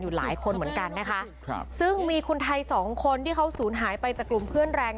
พวกมันกำลังกลับมาหาพวกมัน